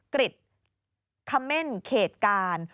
กริจคำเม่นเขตการ